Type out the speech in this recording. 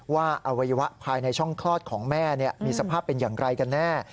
อวัยวะภายในช่องคลอดของแม่มีสภาพเป็นอย่างไรกันแน่